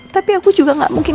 tapi aku juga gak mungkin